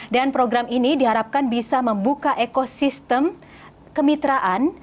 dan program ini diharapkan bisa membuka ekosistem kemitraan